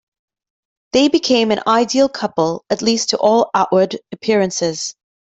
They become an ideal couple, at least to all outward appearances.